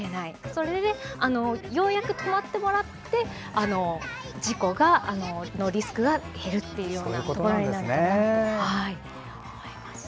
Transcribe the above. それでようやく止まってもらって事故のリスクが減るということになるんですね。